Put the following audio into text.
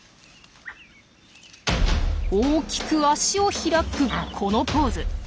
大きく足を開くこのポーズ。